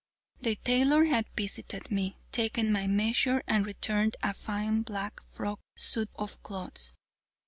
The tailor had visited me, taken my measure, and returned a fine black frock suit of clothes.